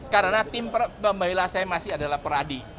karena tim pembela saya masih adalah peradi